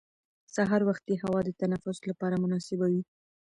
سهار وختي هوا د تنفس لپاره مناسبه وي